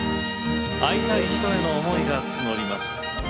会いたい人への思いが募ります。